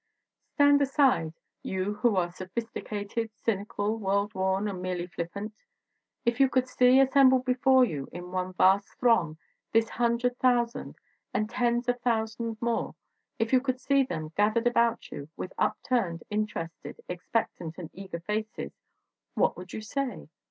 Stand aside, you who are sophisticated, cynical, world worn and merely flippant! If you could see assembled before you in one vast throng this hun dred thousand and tens of thousands more, if you could see them gathered about you with upturned interested, expectant and eager faces, what would you say?